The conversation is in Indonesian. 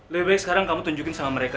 lebih baik sekarang kamu tunjukin sama mereka